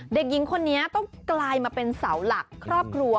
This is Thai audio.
เด็กหญิงคนนี้ต้องกลายมาเป็นเสาหลักครอบครัว